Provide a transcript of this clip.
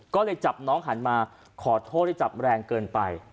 ก็เลยจับน้องหันมาขอโทษที่จับแรงเกินไป